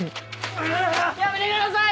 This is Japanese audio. ああ！やめてください！